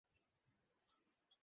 Cyber সেলে রামমূর্তিকে call কর।